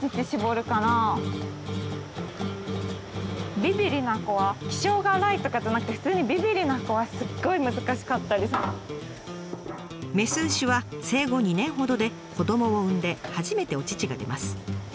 ビビりな子は気性が荒いとかじゃなくて普通にメス牛は生後２年ほどで子どもを産んで初めてお乳が出ます。